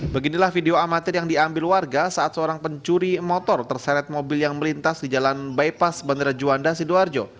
beginilah video amatir yang diambil warga saat seorang pencuri motor terseret mobil yang melintas di jalan bypass bandara juanda sidoarjo